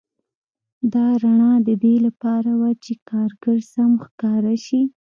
دا رڼا د دې لپاره وه چې کارګر سم ښکاره شي